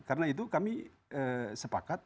karena itu kami sepakat